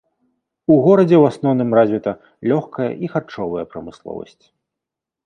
У горадзе ў асноўным развіта лёгкая і харчовая прамысловасць.